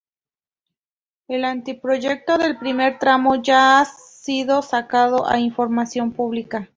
El anteproyecto del primer tramo ya ha sido sacado a información pública.